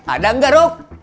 ada nggak ruf